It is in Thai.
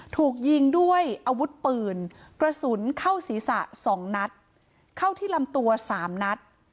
ถูกยิงด้วยอาวุธปืนกระสุนเข้าศีรษะ๒นัดเข้าที่ลำตัวสามนัด